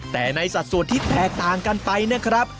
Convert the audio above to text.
แต่ในสัดส่วนที่แตกต่างกันไปนะครับ